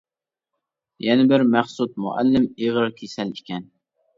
يەنە بىر «مەخسۇت مۇئەللىم» ئېغىر كېسەل ئىكەن.